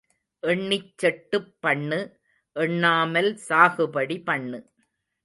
எண்ணிச் செட்டுப் பண்ணு எண்ணாமல் சாகுபடி பண்ணு.